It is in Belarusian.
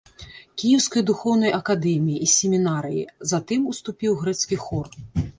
Кіеўскай духоўнай акадэміі і семінарыі, затым уступіў грэцкі хор.